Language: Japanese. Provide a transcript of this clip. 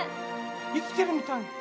生きてるみたい。